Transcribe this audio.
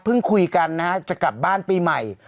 คุยกันนะฮะจะกลับบ้านปีใหม่